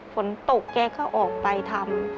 ฝนตกแกก็ออกไปทำ